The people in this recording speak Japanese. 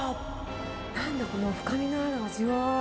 なんだこの深みの味わい。